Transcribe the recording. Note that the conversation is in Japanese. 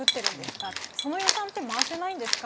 その予算って回せないんですか？